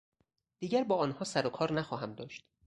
دیگر با آنها سر و کار نخواهم داشت.